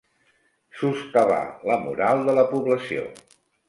Soscavar la moral de la població.